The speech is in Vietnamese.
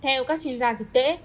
theo các chuyên gia dịch tễ